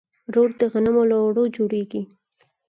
روټ د غنمو له اوړو جوړیږي.